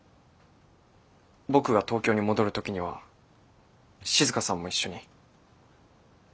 僕が東京に戻る時には静さんも一緒に。